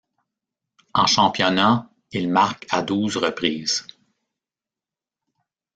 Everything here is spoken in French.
En championnat, il marque à douze reprises.